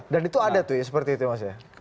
dan itu ada tuh ya seperti itu mas ya